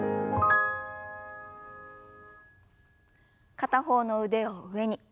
片方の腕を上に。